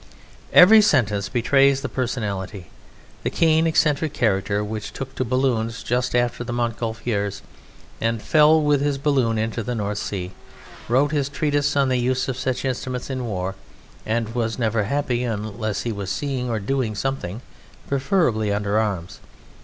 Every sentence betrays the personality: the keen, eccentric character which took to balloons just after the Montgolfiers, and fell with his balloon into the North Sea, wrote his Treatise on the use of such instruments in War, and was never happy unless he was seeing or doing something preferably under arms.